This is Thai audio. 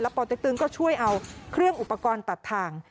ปติ๊กตึงก็ช่วยเอาเครื่องอุปกรณ์ตัดทาง